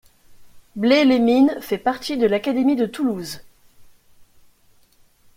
Blaye-les-Mines fait partie de l'académie de Toulouse.